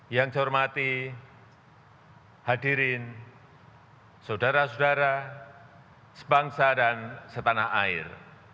yang saya hormati hadirin saudara saudara sebangsa dan setanah air